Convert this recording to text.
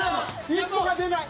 １歩が出ない。